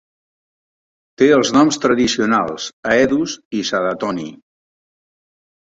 Té els noms tradicionals Haedus i Sadatoni.